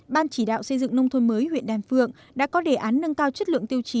ban chỉ đạo xây dựng nông thôn mới huyện đan phượng đã có đề án nâng cao chất lượng tiêu chí